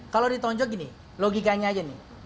kalau ditonjok gini logikanya aja nih